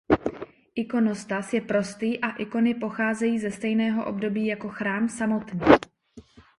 Ikonostas je prostý a ikony pocházejí ze stejného období jako chrám samotný.